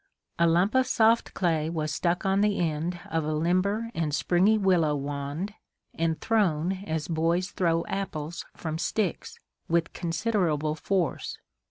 A lump of soft clay was stuck on the end of a limber and springy willow wand and thrown as boys throw apples from sticks, with considerable force.